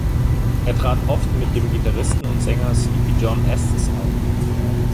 Er trat oft mit dem Gitarristen und Sänger Sleepy John Estes auf.